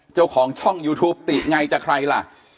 เจ้าของช่องยูทูปติไงจากใครล่ะ